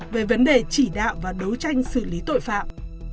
về vấn đề chỉ đạo và đấu tranh xử lý tội phạm